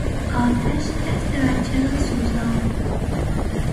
آتش دست بچه را سوزاند.